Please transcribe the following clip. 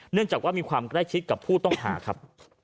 เนื่องจากว่ามีความใกล้ชิดกับผู้ต้องหาครับ